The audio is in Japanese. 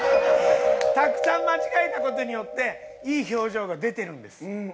たくさん間違えた事によっていい表情が出てるんです。